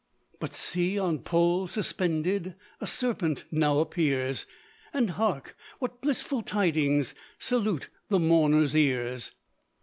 But see on pole suspended, A serpent now appears; And hark! what blissful tidings Salute the mourner's ears.